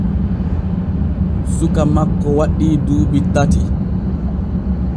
Suka makko waɗii duuɓi tati.